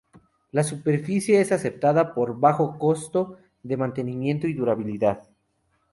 La superficie es aceptada por su bajo costo de mantenimiento y durabilidad.